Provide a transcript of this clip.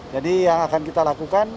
jadi yang akan kita lakukan